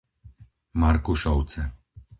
Markušovce